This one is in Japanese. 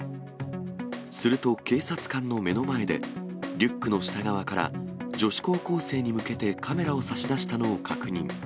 すると警察官の目の前で、リュックの下側から女子高校生に向けて、カメラを差し出したのを確認。